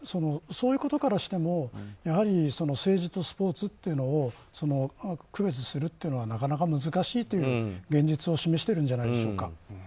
そういうことからしてもやはり政治とスポーツを区別するのはなかなか難しいという現実を示しているんじゃないでしょうか。